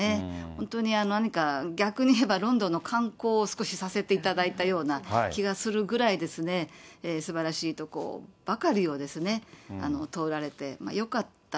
本当に何か、逆に言えばロンドンの観光を少しさせていただいたような気がするぐらいですね、すばらしい所ばかりを通られて、よかった。